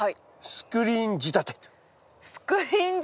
スクリーン仕立て。